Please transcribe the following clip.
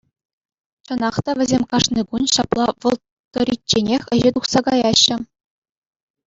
Чӑнах та весем кашни кун ҫапла вӑл тӑричченех ӗҫе тухса каяҫҫӗ.